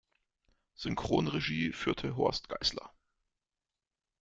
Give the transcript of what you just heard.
Synchronregie führte Horst Geisler.